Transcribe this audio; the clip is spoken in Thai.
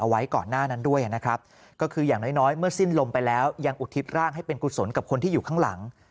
ไว้ก่อนหน้านั้นด้วยนะครับก็คืออย่างน้อยเมื่อสิ้นลมไปแล้วยังอุทิศร่างให้เป็นกุศลกับคนที่อยู่ข้างหลัง